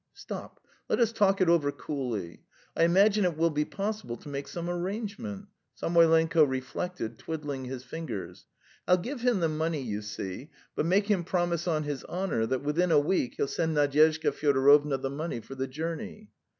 "Stop; let us talk it over coolly. I imagine it will be possible to make some arrangement. ..." Samoylenko reflected, twiddling his fingers. "I'll give him the money, you see, but make him promise on his honour that within a week he'll send Nadyezhda Fyodorovna the money for the journey."